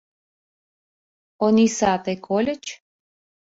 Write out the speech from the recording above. Ониса, тый кольыч?